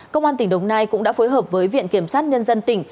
công an tỉnh đồng nai cũng đã phối hợp với viện kiểm sát nhân dân tỉnh